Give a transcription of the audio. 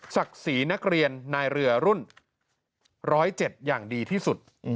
ศักดิ์ศรีนักเรียนนายเรือรุ่น๑๐๗อย่างดีที่สุด